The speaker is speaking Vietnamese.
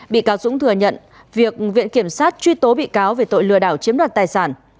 bị cáo dũng thừa nhận việc viện kiểm sát truy tố bị cáo về tội lừa đảo chiếm đoạt tài sản